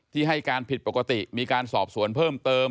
ให้การผิดปกติมีการสอบสวนเพิ่มเติม